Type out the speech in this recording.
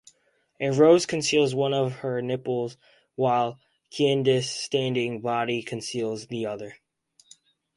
A rose conceals one of her nipples while Kiedis' standing body conceals the other.